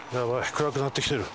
暗くなってきてる。